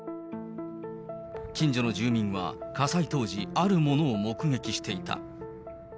近所の住民は火災当時、あるものを目撃していた。